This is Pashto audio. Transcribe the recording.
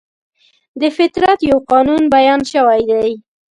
د فطرت یو قانون بیان شوی دی.